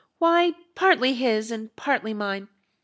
Why, partly his and partly mine.